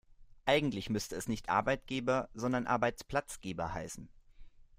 Eigentlich müsste es nicht Arbeitgeber, sondern Arbeitsplatzgeber heißen.